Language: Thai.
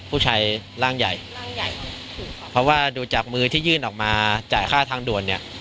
ผู้ชายร่างใหญ่ร่างใหญ่เพราะว่าดูจากมือที่ยื่นออกมาจ่ายค่าทางด่วนเนี่ย